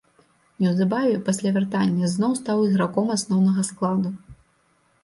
Неўзабаве пасля вяртання зноў стаў іграком асноўнага складу.